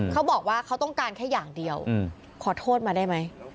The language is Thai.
เขาบอกว่าเขาต้องการแค่อย่างเดียวขอโทษมาได้ไหม